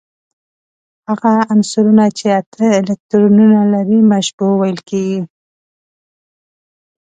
هغه عنصرونه چې اته الکترونونه لري مشبوع ویل کیږي.